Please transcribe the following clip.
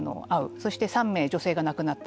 そして３名、女性が亡くなった。